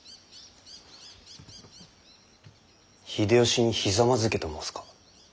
秀吉にひざまずけと申すか。